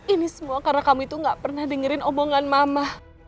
ini semua karena kamu itu gak pernah dengerin omongan mama